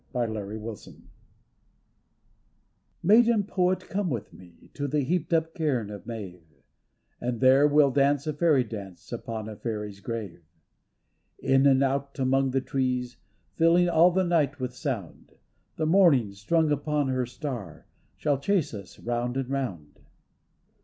266 FAIRIES Maiden Poet, come with me To the heaped up cairn of Maeve, And there we'll dance a fairy dance Upon a fairy's grave. In and out among the trees, Filling all the night with sound, The morning, strung upon her star, Shall chase us round and round.